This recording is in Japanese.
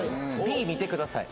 Ｂ見てください